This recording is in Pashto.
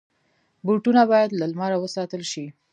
بوټونه باید له لمره وساتل شي.